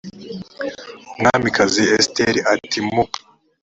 umwamikazi esiteri a ati mu